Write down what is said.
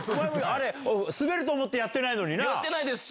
あれスベると思ってやってないのにな。